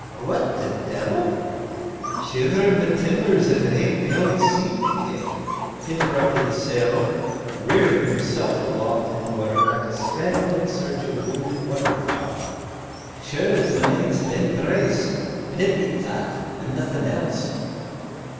what de debbel!" "Shiver my timbers if 'tain't my old sea kit," interrupted the sailor, rearing himself aloft in the water like a spaniel in search of wounded waterfowl. "Sure as my name's Ben Brace it be that, an' nothing else!"